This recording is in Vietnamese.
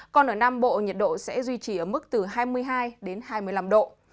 còn ở nam bộ nhiệt độ sẽ duy trì ở mức từ hai mươi hai đến hai mươi năm độ